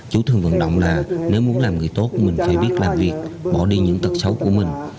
chú thường vận động là nếu muốn làm người tốt mình phải biết làm việc bỏ đi những tật xấu của mình